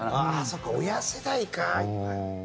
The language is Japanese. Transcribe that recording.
そうか親世代か。